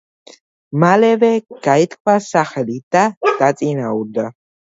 მალევე გაითქვა სახელი და დაწინაურდა.